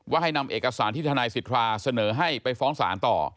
ให้นำเอกสารที่ทนายสิทธาเสนอให้ไปฟ้องศาลต่อ